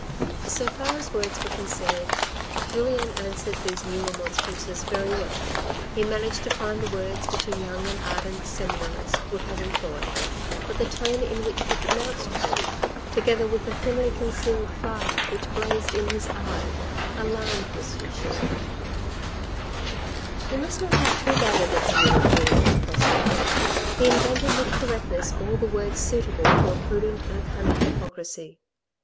So far as words were concerned, Julien answered these new remonstrances very well. He managed to find the words 48 THE RED AND THE BLACK which a young and ardent seminarist would have employed, but the tone in which he pronounced them, together with the thinly concealed fire which blazed in his eye, alarmed M. Chelan. You must not have too bad an opinion of Julien's prospects. He invented with correctness all the words suitable to a prudent and cunning hypocrisy.